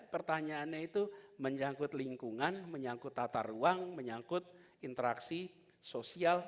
pertanyaannya itu menyangkut lingkungan menyangkut tata ruang menyangkut interaksi sosial